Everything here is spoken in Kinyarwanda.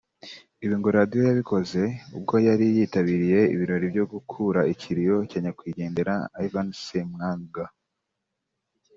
Ibi ngo Radio yabikoze ubwo yari yitabiriye ibirori byo gukura ikiriyo cya nyakwigendera Ivan Ssemwanga